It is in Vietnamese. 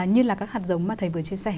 như là các hạt giống mà thầy vừa chia sẻ